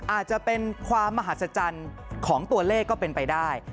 อาจจะเป็นความมหัศจรรย์ของตัวเลขก็เป็นไปได้